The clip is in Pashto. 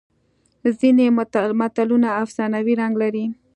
ځینې متلونه افسانوي رنګ لري